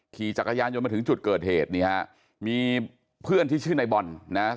ขี่จักรยานยนต์มาถึงจุดเกิดเหตุนี่ฮะมีเพื่อนที่ชื่อในบอลนะฮะ